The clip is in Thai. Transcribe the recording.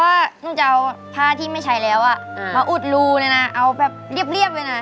หนูจะเอาผ้าที่ไม่ใช้แล้วมาอุดรูเลยนะเอาแบบเรียบเลยนะ